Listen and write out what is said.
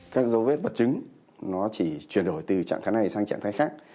các dấu vết vật chứng nó chỉ chuyển đổi từ trạng thái này sang trạng thái khác